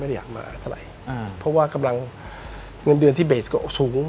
อยากมาเท่าไหร่เพราะว่ากำลังเงินเดือนที่เบสก็สูง